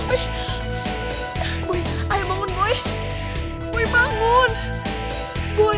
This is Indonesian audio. kenapa sih lo tuh gak mau dengerin kata kata gue